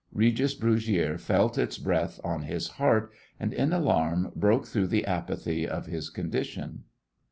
Regis Brugiere felt its breath on his heart, and, in alarm, broke through the apathy of his condition.